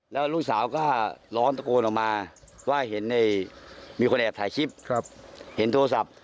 แล้วลูกสาวก็ร้อนตะโกนออกมาว่าเห็นมีคนแอบถ่ายคลิปเห็นโทรศัพท์